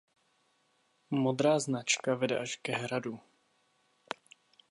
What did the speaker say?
Modrá značka vede až ke hradu.